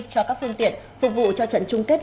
cho các phương tiện phục vụ cho trận chung kết